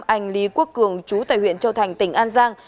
anh lý quốc cường chú tại huyện châu thành tỉnh an giang